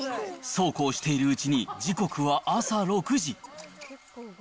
そうこうしているうちに、時刻は朝６時。